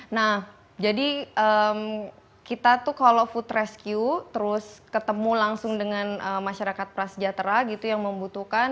nah jadi kita tuh kalau food rescue terus ketemu langsung dengan masyarakat prasejahtera gitu yang membutuhkan